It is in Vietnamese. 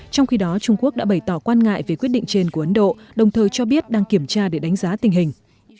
trong khi đó trung quốc đã bày tỏ quan ngại về quyết định trên của ấn độ đồng thời cho biết đang kiểm tra để đánh giá tình hình